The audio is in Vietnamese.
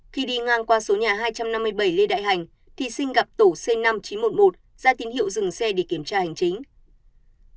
khi đi ngang qua số nhà hai trăm năm mươi bảy lê đại hành thí sinh gặp tổ c năm nghìn chín trăm một mươi một ra tín hiệu dừng xe để kiểm tra hành chính